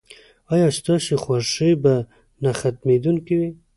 ایا ستاسو خوښي به نه ختمیدونکې وي؟